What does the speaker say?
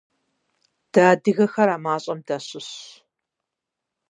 Дэ адыгэхэр а мащӏэм дащыщщ.